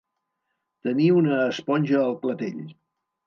Tenir una esponja al clatell.